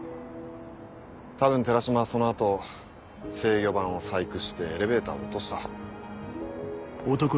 多分寺島はその後制御盤を細工してエレベーターを落とした。